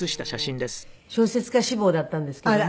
小説家志望だったんですけども。